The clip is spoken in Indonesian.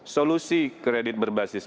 solusi kredit berbasis